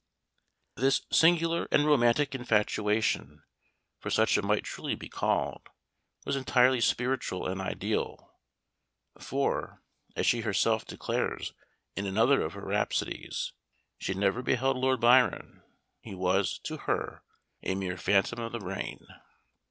This singular and romantic infatuation, for such it might truly be called, was entirely spiritual and ideal, for, as she herself declares in another of her rhapsodies, she had never beheld Lord Byron; he was, to her, a mere phantom of the brain.